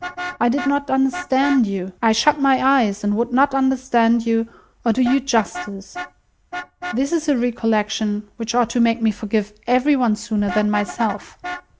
I did not understand you. I shut my eyes, and would not understand you, or do you justice. This is a recollection which ought to make me forgive every one sooner than myself.